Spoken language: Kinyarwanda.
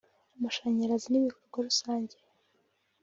amashanyarazi n’ibikorwa rusange